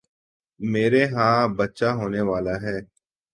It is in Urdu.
میرے ہاں بچہ ہونے والا ہے